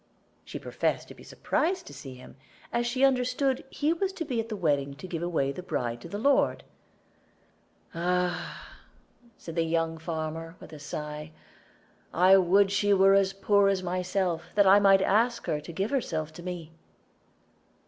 She professed to be surprised to see him, as she understood he was to be at the wedding to give away the bride to the lord. "Ah!" said the young farmer, with a sigh, "I would she were as poor as myself, that I might ask her to give herself to me."